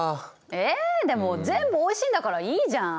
えでも全部おいしいんだからいいじゃん。